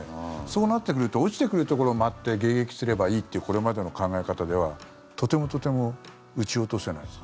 そうなってくると落ちてくるところを待って迎撃すればいいというこれまでの考え方ではとてもとても撃ち落とせない。